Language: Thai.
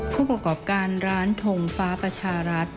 ผู้ประกอบการร้านทงฟ้าประชารัฐ